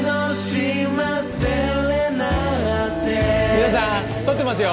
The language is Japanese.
皆さん撮ってますよ！